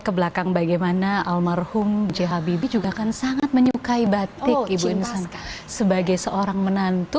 ke belakang bagaimana almarhum jahabibi juga akan sangat menyukai batik ibu sebagai seorang menantu